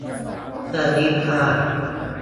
เครื่องรีดผ้า